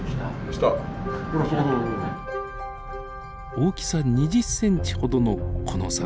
大きさ２０ｃｍほどのこの魚。